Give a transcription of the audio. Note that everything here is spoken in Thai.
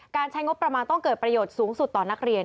ใช้งบประมาณต้องเกิดประโยชน์สูงสุดต่อนักเรียน